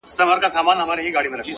هره تجربه د فکر نوی رنګ ورکوي!